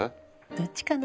どっちかな。